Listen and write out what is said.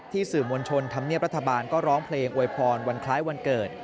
สื่อมวลชนธรรมเนียบรัฐบาลก็ร้องเพลงอวยพรวันคล้ายวันเกิด